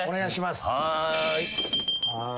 はい。